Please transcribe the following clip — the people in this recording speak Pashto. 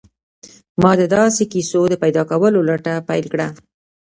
ما د داسې کيسو د پيدا کولو لټه پيل کړه.